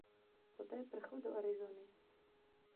Poté prchl do Arizony.